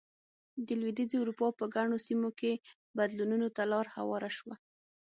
د لوېدیځې اروپا په ګڼو سیمو کې بدلونونو ته لار هواره شوه.